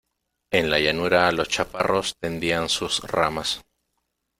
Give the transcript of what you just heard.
en la llanura los chaparros tendían sus ramas,